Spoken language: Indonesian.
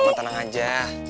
mama tenang aja